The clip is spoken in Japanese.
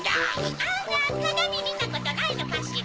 ⁉あらかがみみたことないのかしら？